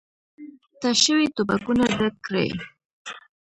تش شوي ټوپکونه ډک کړئ!